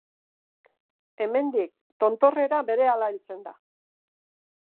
Hemendik, tontorrera berehala heltzen da.